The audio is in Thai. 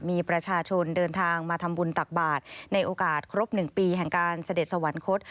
มีประชาชนเดินทางมาทำบุญตักบาทในโอกาสครบ๑ปีแห่งการเสด็จสวรรคต